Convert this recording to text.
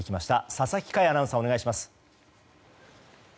佐々木快アナウンサーお願いします。